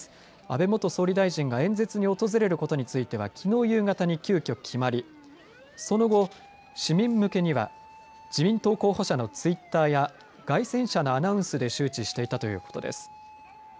安倍元総理大臣が演説に訪れることについてはきのう夕方に急きょ、決まりその後、市民向けには自民党候補者のツイッターや街宣車のアナウンスで周知していたということです。